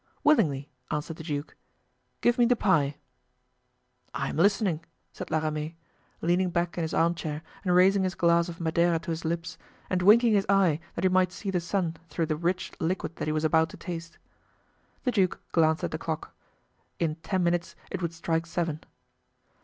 "Willingly," answered the duke, "give me the pie!" "I am listening," said La Ramee, leaning back in his armchair and raising his glass of Madeira to his lips, and winking his eye that he might see the sun through the rich liquid that he was about to taste. The duke glanced at the clock. In ten minutes it would strike seven.